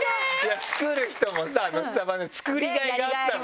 作る人もさスタバの作りがいがあったんだよ